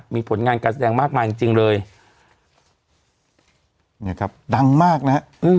มีผลงานการแสดงมากมายจริงจริงเลยเนี่ยครับดังมากนะฮะ